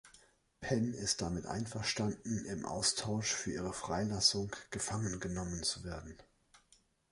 Pen ist damit einverstanden, im Austausch für ihre Freilassung gefangen genommen zu werden.